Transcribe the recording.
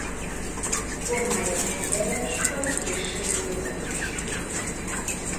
Formája hengeres vagy kissé gumós.